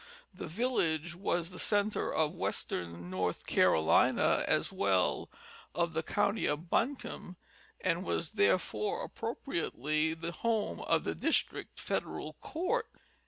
The village was the center of western North Carolina, as well of the county of Buncombe, and was therefore appropriately the home of the district Federal court.